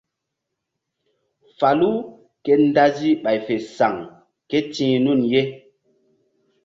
Falu ke ndazi ɓay fe saŋ ké ti̧h nun ye.